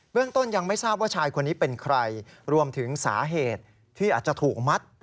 เรื่องต้นยังไม่ทราบว่าชายคนนี้เป็นใครรวมถึงสาเหตุที่อาจจะถูกมัด